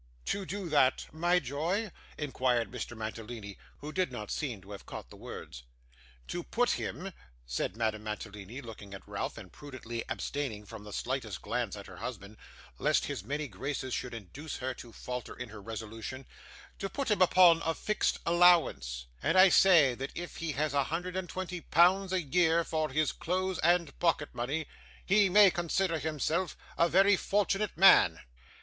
'To do that, my joy?' inquired Mr. Mantalini, who did not seem to have caught the words. 'To put him,' said Madame Mantalini, looking at Ralph, and prudently abstaining from the slightest glance at her husband, lest his many graces should induce her to falter in her resolution, 'to put him upon a fixed allowance; and I say that if he has a hundred and twenty pounds a year for his clothes and pocket money, he may consider himself a very fortunate man.